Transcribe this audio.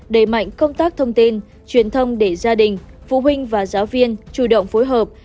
đẩy mạnh công tác thông tin truyền thông để gia đình phụ huynh và giáo viên chủ động phối hợp